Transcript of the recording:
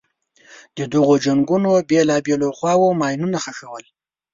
د دغو جنګونو بېلابېلو خواوو ماینونه ښخول.